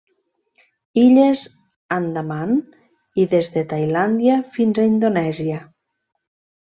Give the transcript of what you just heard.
Illes Andaman i des de Tailàndia fins a Indonèsia.